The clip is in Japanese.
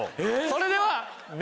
それでは。